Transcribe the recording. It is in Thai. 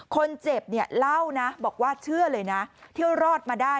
คนเจ็บเนี่ยเล่านะบอกว่าเชื่อเลยนะที่รอดมาได้